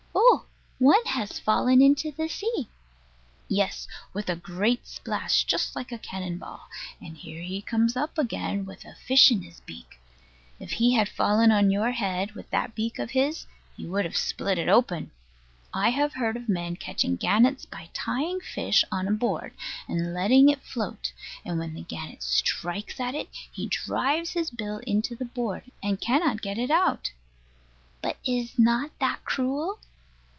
Oh! one has fallen into the sea! Yes, with a splash just like a cannon ball. And here he comes up again, with a fish in his beak. If he had fallen on your head, with that beak of his, he would have split it open. I have heard of men catching gannets by tying a fish on a board, and letting it float; and when the gannet strikes at it he drives his bill into the board, and cannot get it out. But is not that cruel?